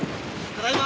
ただいま！